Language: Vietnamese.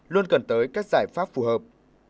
luôn cần tới các giải pháp phù hợp